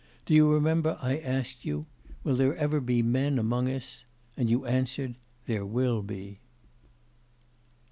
Do you remember I asked you, "Will there ever be men among us?" and you answered "There will be."